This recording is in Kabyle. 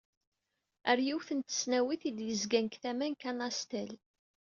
Ɣer yiwet n tesnawit i d-yezgan deg tama n Kanastel.